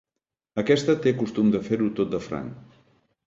Aquesta té costum de fer-ho tot de franc.